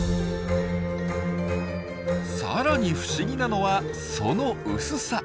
さらに不思議なのはその薄さ。